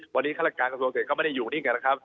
วันนี้ฆาตการกระทรวงเศษก็ไม่ได้อยู่นี่ไงนะครับ